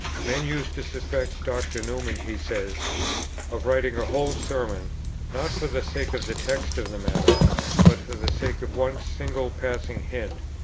"Men used to suspect Dr. Newman," he says, "of writing a whole Sermon, not for the sake of the text or of the matter, but for the sake of one single passing hint